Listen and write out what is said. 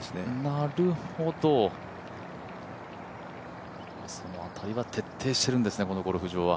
なるほど、その辺りは徹底しているんですね、このゴルフ場は。